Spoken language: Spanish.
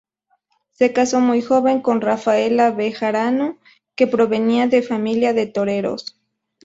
Se casó muy joven con Rafaela Bejarano, que provenía de familia de toreros.